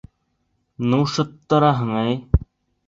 — Ну, шыттыраһың, әй!